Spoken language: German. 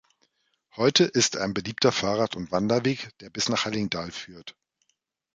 Heute ist er ein beliebter Fahrrad- und Wanderweg, der bis nach Hallingdal führt.